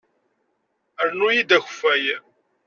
Rnu-iyi-d akeffay!